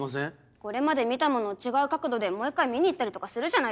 これまで見たものを違う角度でもう１回見に行ったりとかするじゃないですか。